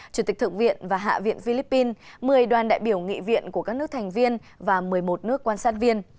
chủ tịch thượng viện và hạ viện philippines một mươi đoàn đại biểu nghị viện của các nước thành viên và một mươi một nước quan sát viên